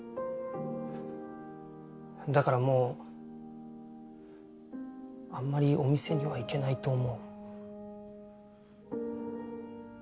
だからもうあんまりお店には行けないと思う。